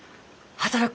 働く！？